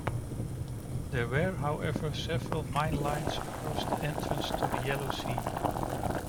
There were, however, several mine lines across the entrance to the Yellow Sea.